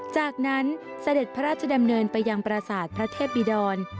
จากนั้นเสด็จพระราชดำเนินไปยังประสาทพระเทพบิดร